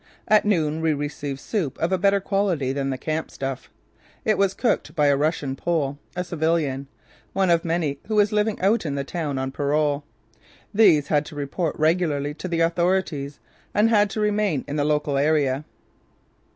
At noon we received soup of a better quality than the camp stuff. It was cooked by a Russian Pole, a civilian; one of many who was living out in the town on parole. These had to report regularly to the authorities and had to remain in the local area.